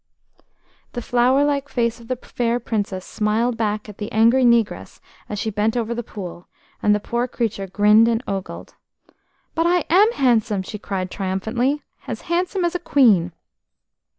The flower like face of the fair Princess smiled back at the angry negress as she bent over the pool, and the poor creature grinned and ogled. "But I am handsome," she cried triumphantly. "As handsome as a queen."